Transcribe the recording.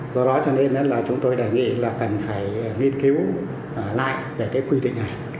do đó cho nên là chúng tôi đề nghị là cần phải nghiên cứu lại về cái quy định này